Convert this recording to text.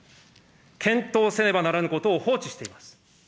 検討せねばならぬことを放置しています。